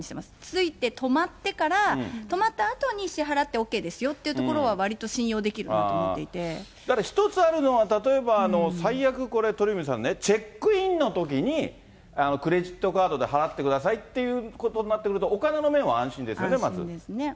着いて泊まってから、泊まったあとに支払ってＯＫですよっていう所は、わりと信用でき１つあるのは、例えば最悪、これ、鳥海さんね、チェックインのときにクレジットカードで払ってくださいっていうことになってくると、お金の面は安心ですよね、安心ですね。